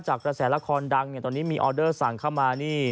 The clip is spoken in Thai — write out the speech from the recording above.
จากระแสละครดังตอนนี้มีออเดอร์สั่งเข้ามา